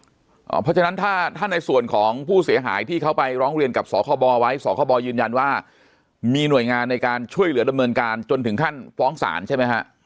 เพราะฉะนั้นถ้าในส่วนของผู้เสียหายที่เขาไปร้องเรียนกับสคบไว้สคบยืนยันว่ามีหน่วยงานในการช่วยเหลือดำเนินการจนถึงขั้นฟ้องศาลใช่ไหมฮะ